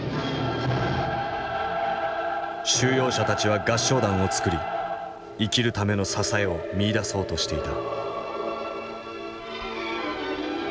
収容者たちは合唱団を作り生きるための支えを見いだそうとしていた。